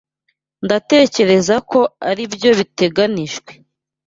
Ndatekereza ko aribyo biteganijwe.